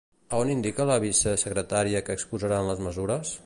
A on indica la vicesecretaria que exposaran les mesures?